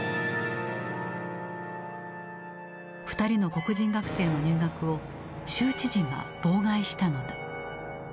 ２人の黒人学生の入学を州知事が妨害したのだ。